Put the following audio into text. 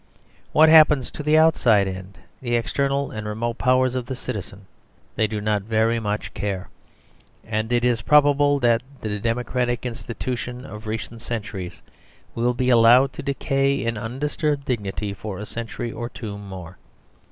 What happens to the outside end, the external and remote powers of the citizen, they do not very much care; and it is probable that the democratic institutions of recent centuries will be allowed to decay in undisturbed dignity for a century or two more.